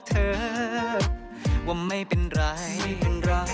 เธอว่าไม่เป็นไรเรา